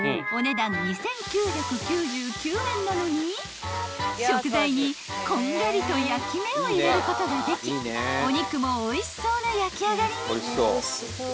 ［お値段２，９９９円なのに食材にこんがりと焼き目を入れることができお肉もおいしそうな焼きあがりに］